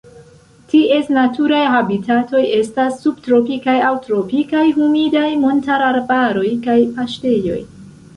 Ties naturaj habitatoj estas subtropikaj aŭ tropikaj humidaj montararbaroj kaj paŝtejoj.